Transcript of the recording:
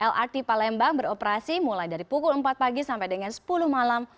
lrt palembang beroperasi mulai dari pukul empat pagi sampai dengan sepuluh malam